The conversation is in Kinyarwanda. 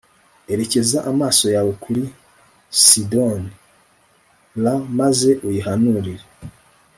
erekeza amaso yawe kuri Sidoni r maze uyihanurire